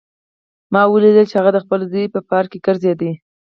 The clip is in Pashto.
ما ولیدل چې هغه د خپل زوی سره په پارک کې ګرځېده